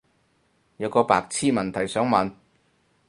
有個白癡問題想問